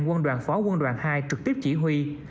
quân đoàn phó quân đoàn hai trực tiếp chỉ huy